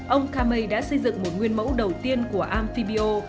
ông kamei đã xây dựng một nguyên mẫu đầu tiên của amphibio